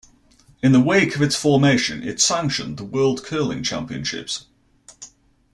In the wake of its formation, it sanctioned the World Curling Championships.